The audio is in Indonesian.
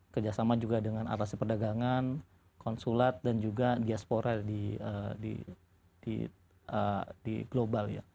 kerjasama juga dengan atas perdagangan konsulat dan juga diaspora di global ya